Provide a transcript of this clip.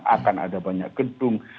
akan ada banyak gedung